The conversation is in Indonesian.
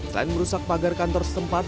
selain merusak pagar kantor setempat